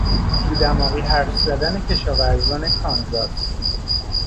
تو دماغی حرف زدن کشاورزان کانزاس